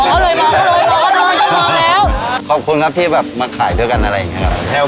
อ๋อเอาเลยบอกเอาเลยบอกเอาเลยบอกแล้ว